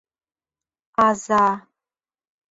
Аза...